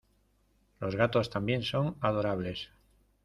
Los gatos también son adorables.